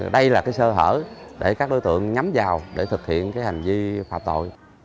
đây là sơ hở để các đối tượng nhắm vào để thực hiện hành vi phạm tội